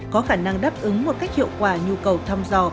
có khả năng đáp ứng một cách hiệu quả nhu cầu thăm dò